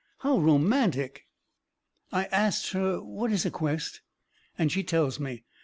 How romantic!" I asts her what is a quest. And she tells me.